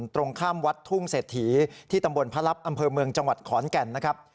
ตรงข้ามวัดทุ่งเศรษฐีที่ตำบลพระลับอำเภอเมืองจังหวัดขอนแก่นนะครับ